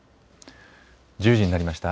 １０時になりました。